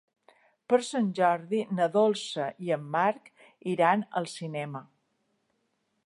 Per Sant Jordi na Dolça i en Marc iran al cinema.